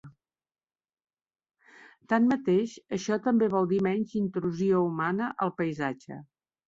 Tanmateix, això també vol dir menys intrusió humana al paisatge.